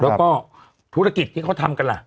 แล้วก็ธุรกิจที่เขาทำกันล่ะ